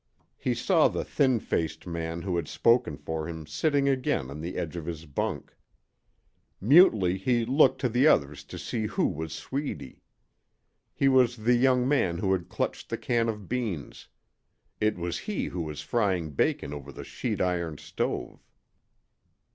He saw the thin faced man who had spoken for him sitting again on the edge of his bunk. Mutely he looked to the others to see who was Sweedy. He was the young man who had clutched the can of beans. It was he who was frying bacon over the sheet iron stove.